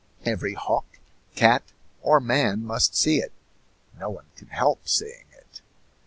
Every hawk, cat, or man must see it; no one can help seeing it.